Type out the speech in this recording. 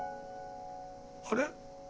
あれ？